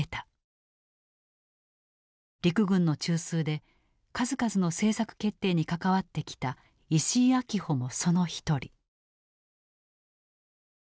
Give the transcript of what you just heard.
陸軍の中枢で数々の政策決定に関わってきた石井秋穂もその一人。